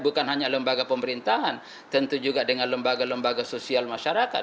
bukan hanya lembaga pemerintahan tentu juga dengan lembaga lembaga sosial masyarakat